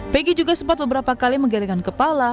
pegi juga sempat beberapa kali menggelengkan kepala